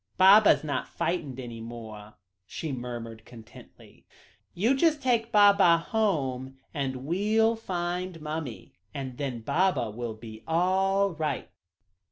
"Baba's not fightened any more," she murmured contentedly; "you just take Baba home and we'll find mummy and then Baba will be all right."